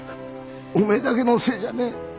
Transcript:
お前だけのせいじゃねえ。